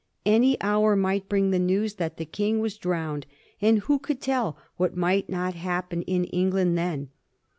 Any hour might bring the news that the King was drowned ; and who could tell what might not happen in England then?